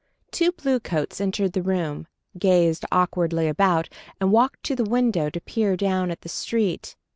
Two bluecoats entered the room, gazed awkwardly about, and walked to the window to peer down at the street.